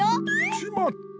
しまった！